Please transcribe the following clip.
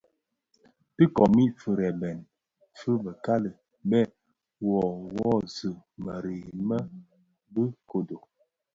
Dhi komid firebèn fi bekali bè woowoksi mëree bi bë kodo.